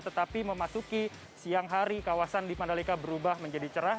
tetapi memasuki siang hari kawasan di mandalika berubah menjadi cerah